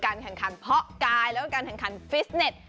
แข่งขันเพาะกายแล้วก็การแข่งขันฟิสเน็ต